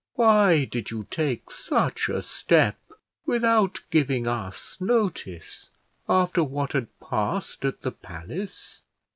Why did you take such a step without giving us notice, after what had passed at the palace?"